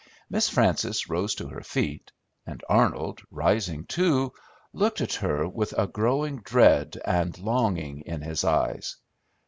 Miss Frances rose to her feet, and Arnold, rising too, looked at her with a growing dread and longing in his eyes.